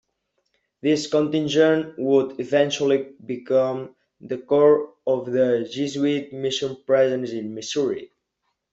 This contingent would eventually become the core of the Jesuit mission presence in Missouri.